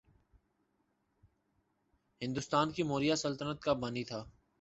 ہندوستان کی موریا سلطنت کا بانی تھا